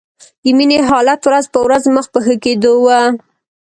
د مينې حالت ورځ په ورځ مخ په ښه کېدو و